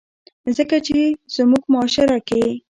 ځکه چې زمونږ معاشره کښې